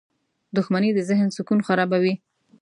• دښمني د ذهن سکون خرابوي.